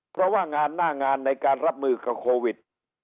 เพราะว่างานหน้างานในการรับมือกับโควิด